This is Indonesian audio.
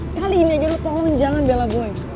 please kali ini aja lo tolong jangan bela boy